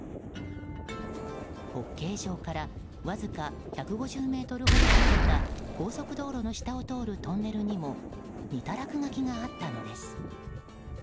ホッケー場からわずか１５０ｍほど離れた高速道路の下を通るトンネルにも似た落書きがあったのです。